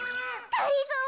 がりぞー！